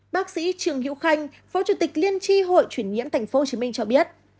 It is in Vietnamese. bác sĩ trường hữu khanh phó chủ tịch liên tri hội chuyển nhiễm tp hcm cho biết